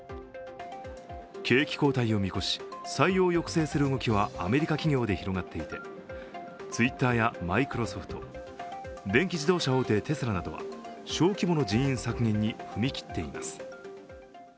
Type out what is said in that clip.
景気後退を見越し、採用を抑制する動きはアメリカ企業で広がっていて、ツイッターやマイクロソフト、電気自動車大手テスラなどは小規模の人員削減に踏み切っています。